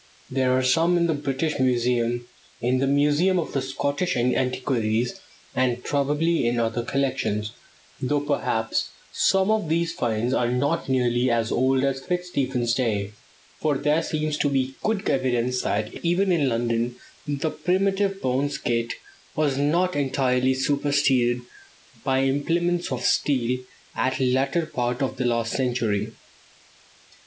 There are some in the British Museum, in the Museum of the Scottish Antiquaries, and probably in other collections; though perhaps some of the "finds" are not nearly as old as Fitzstephen's day, for there seems to be good evidence that even in London the primitive bone skate was not entirely superseded by implements of steel at the latter part of last century.